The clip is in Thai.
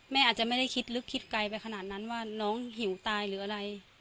อาจจะไม่ได้คิดลึกคิดไกลไปขนาดนั้นว่าน้องหิวตายหรืออะไร